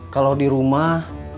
kalau di rumah